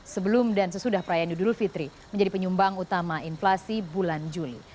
sebelum dan sesudah perayaan idul fitri menjadi penyumbang utama inflasi bulan juli